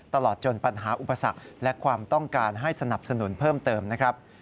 ตลอดจนปัญหาอุปสรรคและความต้องการให้สนับสนุนเพิ่มเติมนะครับ